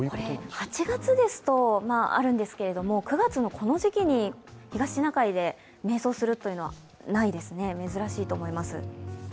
８月ですとあるんですけれども、９月のこの時期に東シナ海で迷走するというのは珍しいと思います。